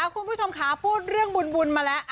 คุณผู้ชมค่ะพูดเรื่องบุญมาแล้ว